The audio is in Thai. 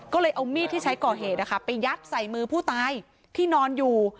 ก็เลยเอามีดที่ใช้ก่อเหตุไปยัดใส่มือผู้ตายที่นอนอยู่